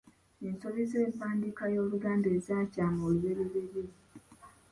Ensobi z'empandiika y'Oluganda ezakyama olubereberye.